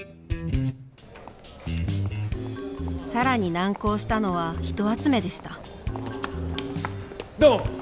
更に難航したのは人集めでしたどうも！